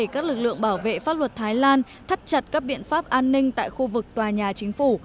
các lực lượng bảo vệ pháp luật thái lan thắt chặt các biện pháp an ninh tại khu vực tòa nhà chính phủ